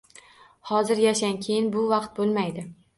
Hozir yashang, keyin bu vaqt bo'lmaydi.